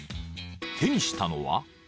［手にしたのは］